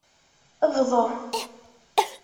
Bḍu.